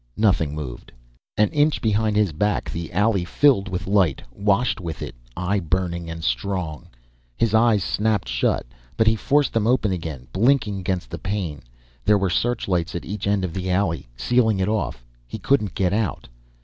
Nothing moved. An inch behind his back the alley filled with light, washed with it, eye burning and strong. His eyes snapped shut, but he forced them open again, blinking against the pain. There were searchlights at each end of the alley, sealing it off. He couldn't get out.